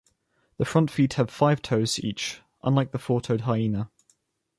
The front feet have five toes each, unlike the four-toed hyena.